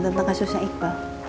tentang kasusnya iqbal